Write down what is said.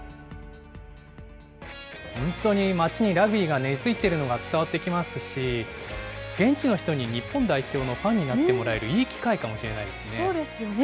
本当に街にラグビーが根づいているのが伝わってきますし、現地の人に日本代表のファンになってもらえるいい機会かもしれなそうですよね。